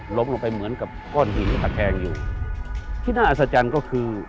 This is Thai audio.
ล้มลงไปเหมือนกับก้อนหินตะแคงอยู่ที่น่าอัศจรรย์ก็คือ